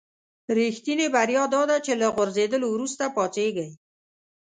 رښتینې بریا داده چې له غورځېدلو وروسته پاڅېږئ.